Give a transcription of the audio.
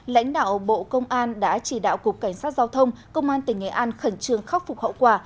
lãnh đạo bộ công an đã chỉ đạo cục cảnh sát giao thông công an tỉnh nghệ an khẩn trương khắc phục hậu quả